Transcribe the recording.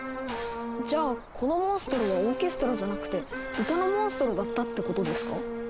じゃあこのモンストロはオーケストラじゃなくて歌のモンストロだったってことですか？